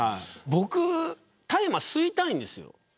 僕、大麻吸いたいんですよ。